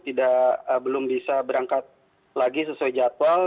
tidak belum bisa berangkat lagi sesuai jadwal